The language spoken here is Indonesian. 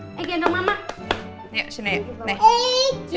iya ini gendong mama dulu